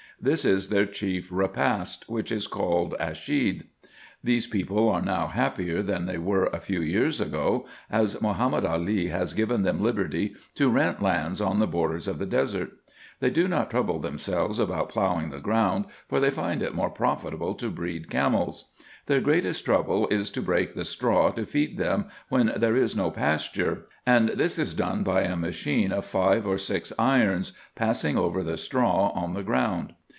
This is their chief repast, which is called asceed. These people are now happier than they were a few years ago, as Mahomed Ali has given them liberty to rent lands on the borders of the desert. They do not trouble themselves about plowing the ground, for they find it more profitable to breed camels. Their greatest trouble is to break the straw to feed them when there is no pasture, and this is done by a machine of five or six irons, passing over the straw on the ground.